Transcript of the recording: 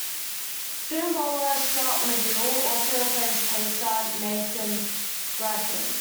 Spin bowler Stuart MacGill also replaced pacer Nathan Bracken.